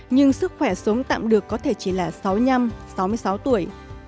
nhưng sức khỏe sống tạm được có thể chỉ là sáu mươi năm sáu mươi sáu tuổi